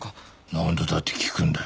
何度だって聞くんだよ。